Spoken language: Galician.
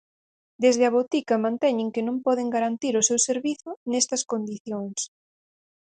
Desde o botica manteñen que non poden garantir o seu servizo nestas condicións.